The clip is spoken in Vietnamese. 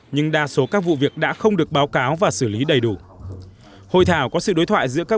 nhưng đa số các vụ việc đã không được báo cáo và xử lý đầy đủ hội thảo có sự đối thoại giữa các